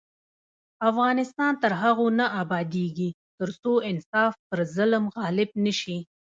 افغانستان تر هغو نه ابادیږي، ترڅو انصاف پر ظلم غالب نشي.